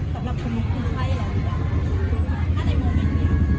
สำหรับคนคุณไข้หรืออะไรโมเม้นอยู่